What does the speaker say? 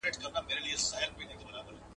• اوښ په خپلو متيازو کي گوډېږي.